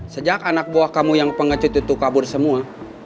sejak anak buah kamu yang pengecut itu kabur semua